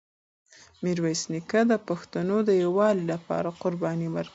میرویس نیکه د پښتنو د یووالي لپاره قرباني ورکړه.